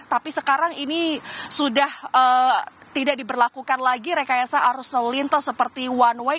tapi sekarang ini sudah tidak diberlakukan lagi rekayasa arus lalu lintas seperti one way